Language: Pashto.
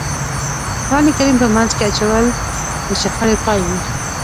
قرآن کریم په منځ کې اچول د شخړې پای وي.